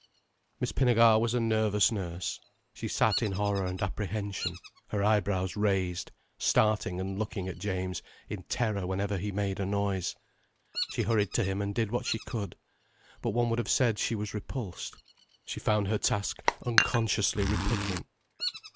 Miss Pinnegar was a nervous nurse. She sat in horror and apprehension, her eyebrows raised, starting and looking at James in terror whenever he made a noise. She hurried to him and did what she could. But one would have said she was repulsed, she found her task unconsciously repugnant.